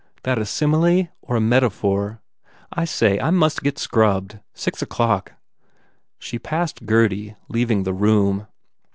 "That a simile or a metaphor? I say, I must get scrubbed. Six o clock." She passed Gurdy, leaving the room.